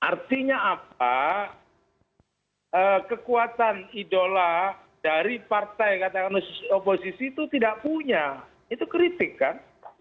artinya apa kekuatan idola dari partai katakan oposisi itu tidak punya itu kritik kan